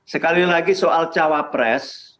sekali lagi soal cawapres